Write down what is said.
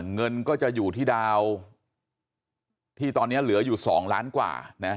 เงินก็จะอยู่ที่ดาวที่ตอนนี้เหลืออยู่๒ล้านกว่านะ